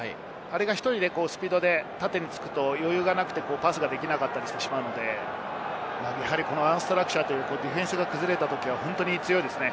１人でスピードで縦に突くと余裕がなくて、パスができなかったりしてしまうので、アンストラクチャーというディフェンスが崩れたときは本当に強いですね。